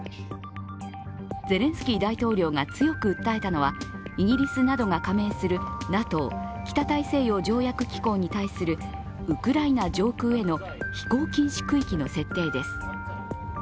ゼレンスキー大統領が強く訴えたのはイギリスなどが加盟するＮＡＴＯ＝北大西洋条約機構に対するウクライナ上空への飛行禁止区域の設定です。